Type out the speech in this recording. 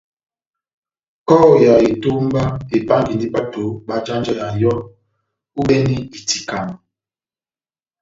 Kɔhɔ ya etómba epángandi bato bajanjeya yɔ́ ohibɛnɛ itikama.